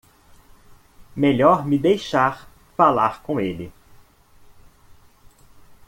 Melhor me deixar falar com ele.